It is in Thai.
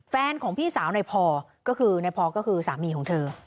แฟนของพี่สาวในพอก็คือในพอก็คือสามีของเธอ